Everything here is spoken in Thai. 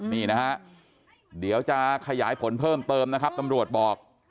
นี่นะฮะเดี๋ยวจะขยายผลเพิ่มเติมนะครับตำรวจบอก